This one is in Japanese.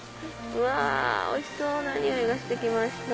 うわおいしそうな匂いがしてきました。